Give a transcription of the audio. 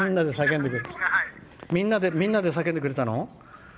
みんなで叫んでくれたの？